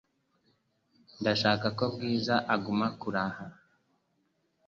Ndashaka ko Bwiza aguma kure aha .